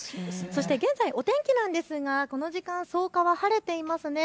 現在、お天気なんですがこの時間、草加は晴れていますね。